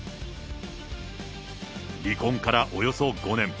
離婚からおよそ５年。